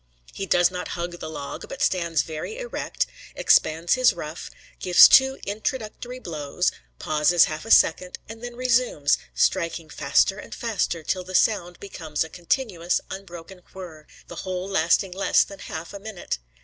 He does not hug the log, but stands very erect, expands his ruff, gives two introductory blows, pauses half a second, and then resumes, striking faster and faster till the sound becomes a continuous, unbroken whir, the whole lasting less than half a minute.